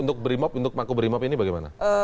untuk mako brimob ini bagaimana